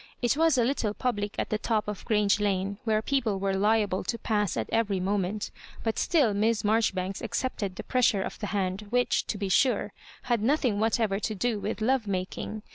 It was a little public at the top of Grange Lane, where people w«re liable to pass at every moment ; but still Miss Marjoribanks accepted the pressure of the hand, which, to be sure, had nothing whatever to do wijLh love making.